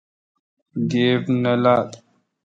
گیب نہ لات۔